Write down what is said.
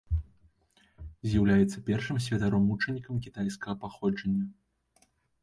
З'яўляецца першым святаром-мучанікам кітайскага паходжання.